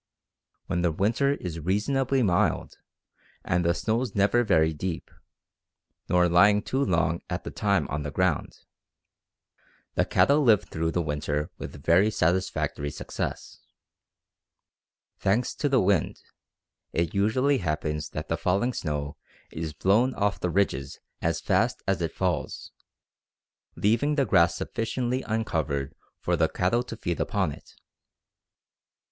When the winter is reasonably mild, and the snows never very deep, nor lying too long at a time on the ground, the cattle live through the winter with very satisfactory success. Thanks to the wind, it usually happens that the falling snow is blown off the ridges as fast as it falls, leaving the grass sufficiently uncovered for the cattle to feed upon it.